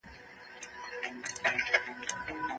اوږده ډوډۍ ماڼۍ ته وړل سوې ده.